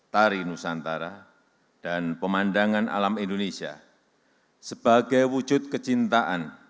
tari nusantara dan pemandangan alam indonesia sebagai wujud kecintaan